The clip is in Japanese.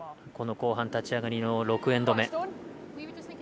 この後半立ち上がりの６エンド目。